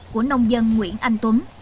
của nông dân nguyễn anh tuấn